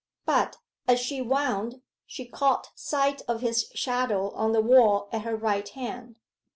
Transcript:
But, as she wound, she caught sight of his shadow on the wall at her right hand.